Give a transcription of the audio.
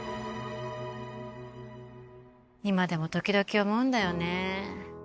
今でも時々思うんだよね